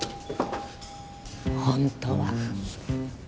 本当は。